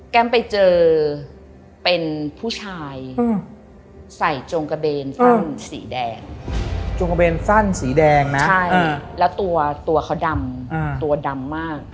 แก้มไปเจอเป็นผู้ชาย